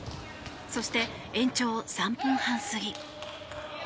そして、延長３分半過ぎ。